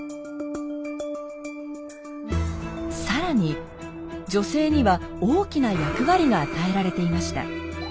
更に女性には大きな役割が与えられていました。